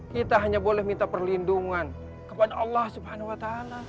kita hanya boleh minta perlindungan kepada allah swt